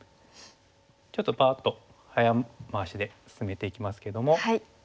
ちょっとパッと早回しで進めていきますけども。